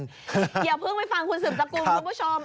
อย่าเพิ่งไปฟังคุณซึมสักครูคุณผู้ชม